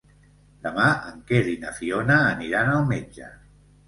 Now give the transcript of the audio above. Demà en Quer i na Fiona aniran al metge.